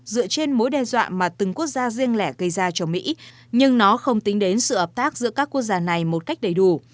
dựa trên mối đe dọa mà từng quốc gia riêng lẻ gây ra cho mỹ nhưng nó không tính đến sự hợp tác giữa các quốc gia này một cách đầy đủ